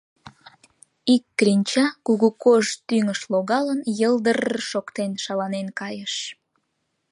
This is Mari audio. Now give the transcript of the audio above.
Ик кленча, кугу кож тӱҥыш логалын, йылдыр-р шоктен шаланен кайыш.